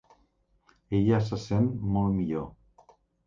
Ella se sent molt millor.